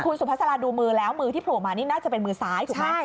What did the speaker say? สุภาษาราดูมือแล้วมือที่โผล่มานี่น่าจะเป็นมือซ้ายถูกไหม